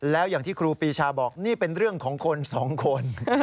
แล้วอย่างที่ครูปีชาบอกนี่เป็นเรื่องของคนสองคน